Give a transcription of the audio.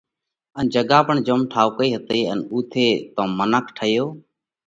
ان جڳا پڻ جوم ٺائُوڪئي هتئي ان اُوٿئہ تون منک ٺيو